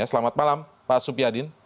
selamat malam pak supyadin